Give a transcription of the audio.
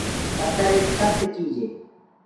پٿر ايڪ سکت چيٚج هي۔